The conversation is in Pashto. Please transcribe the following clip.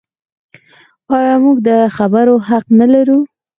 آیا موږ د خبرو حق نلرو؟